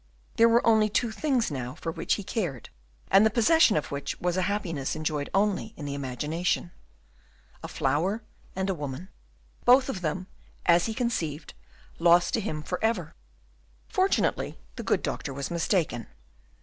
There were only two things now for which he cared, and the possession of which was a happiness enjoyed only in imagination. A flower, and a woman; both of them, as he conceived, lost to him for ever. Fortunately the good doctor was mistaken.